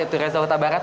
itu reza kota barat